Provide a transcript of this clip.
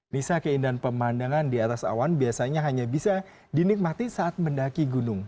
nisa keindahan pemandangan di atas awan biasanya hanya bisa dinikmati saat mendaki gunung